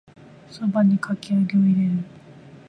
蕎麦にかき揚げを入れる